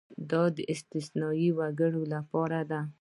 دا د استثنايي وګړو لپاره ده.